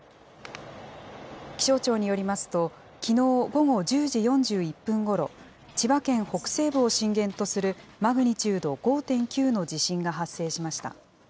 気象庁によりますと、きのう午後１０時４１分ごろ、千葉県北西部を震源とするマグニチュード５．９の地震が発生しました。